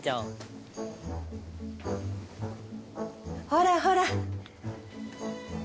ほらほら。